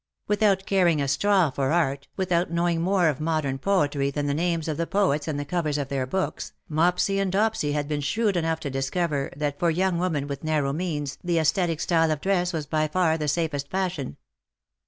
Without caring a straw for art, without knowing more of modern poetry than the names of the poets and the covers of their books, Mopsy and Dopsy had been shrewd enough to discover that for young women with narrow means the aesthetic style of dress was by far the safest fashion.